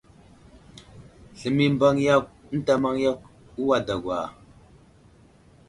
Sləmay i mbaŋ yakw ənta i maŋ yakw uway dagwa ?